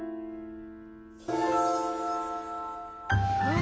あ。